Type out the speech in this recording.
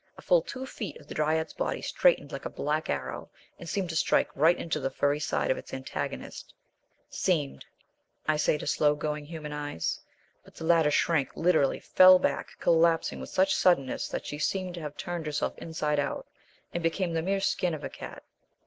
A full two feet of the Dryad's body straightened like a black arrow, and seemed to strike right into the furry side of its antagonist seemed, I say, to slow going human eyes; but the latter shrank, literally fell back, collapsing with such suddenness that she seemed to have turned herself inside out, and become the mere skin of a cat.